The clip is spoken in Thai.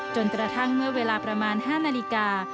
จนกระทั่งเมื่อเวลาประมาณ๕นาฬิกา